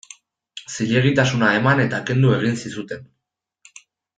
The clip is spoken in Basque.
Zilegitasuna eman eta kendu egin zizuten.